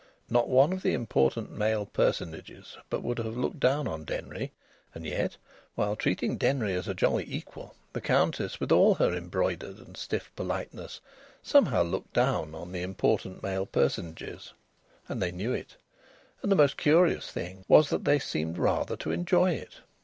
Not one of the important male personages but would have looked down on Denry! And yet, while treating Denry as a jolly equal, the Countess with all her embroidered and stiff politeness somehow looked down on the important male personages and they knew it. And the most curious thing was that they seemed rather to enjoy it.